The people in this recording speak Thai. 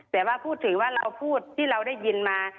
แต่ว่าพูดถึงว่าเราพูดที่เราได้ยินมา